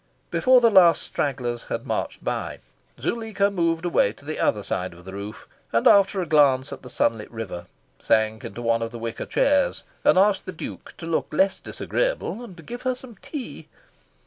Before the last stragglers had marched by, Zuleika moved away to the other side of the roof, and, after a glance at the sunlit river, sank into one of the wicker chairs, and asked the Duke to look less disagreeable and to give her some tea.